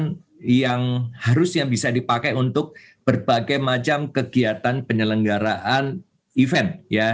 kan yang harus yang bisa dipakai untuk berbagai macam kegiatan penyelenggaraan event ya